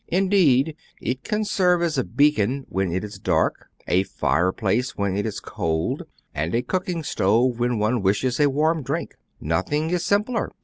Indeed, it can serve as a beacon when it is dark, a fireplace when it is cold, and a cooking stove when one wishes a warm drink. Nothing is simpler.